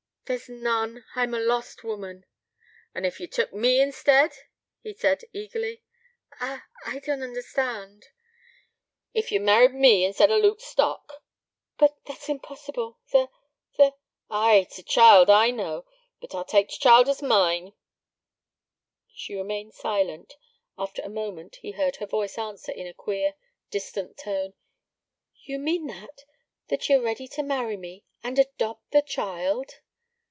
'There's none. I'm a lost woman.' 'An' ef ye took me instead?' he said eagerly. 'I I don't understand ' 'Ef ye married me instead of Luke Stock?' 'But that's impossible the the ' 'Ay, t' child. I know. But I'll tak t' child as mine.' She remained silent. After a moment he heard her voice answer in a queer, distant tone: 'You mean that that ye're ready to marry me, and adopt the child?'